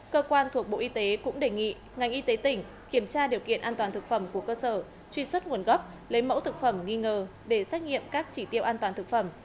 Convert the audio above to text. cơ quan thuộc bộ y tế cũng đề nghị ngành y tế tỉnh kiểm tra điều kiện an toàn thực phẩm của cơ sở truy xuất nguồn gốc lấy mẫu thực phẩm nghi ngờ để xét nghiệm các chỉ tiêu an toàn thực phẩm